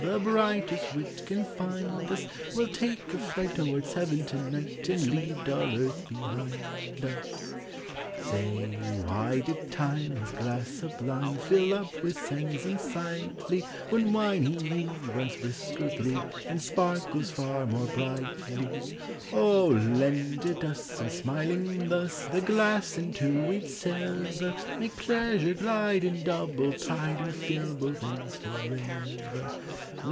The brightest wit can find us; We '11 take a flight Towards heaven to night, And leave dull earth behind us! Say, why did Time His glass sublime Digitized by Google FRIENDSHIP, 389 Fill up with sands unsightly, When wine he knew Huns brisker through, And sparkles far more brightly? Oh. lend it us, And, smiling thus, The glass in two we 'd sever, Make pleasure glide In double tide, And fill both ends for ever!